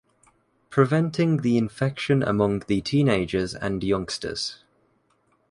Preventing the infection among the teenagers and youngsters.